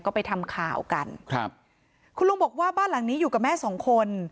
ก็ไปทำข่าวกันครับคุณลุงบอกว่าบ้านหลังนี้อยู่กับแม่สองคน